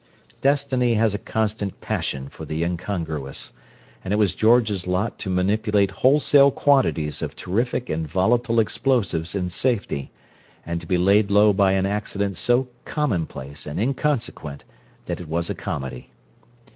Destiny has a constant passion for the incongruous, and it was George's lot to manipulate wholesale quantities of terrific and volatile explosives in safety, and to be laid low by an accident so commonplace and inconsequent that it was a comedy.